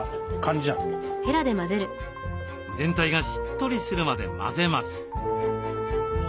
全体がしっとりするまで混ぜます。